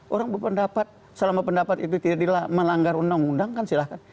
orang berpendapat selama pendapat itu tidak dilanggar undang undangkan silahkan